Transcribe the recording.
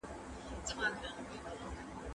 زه پرون تمرين وکړل!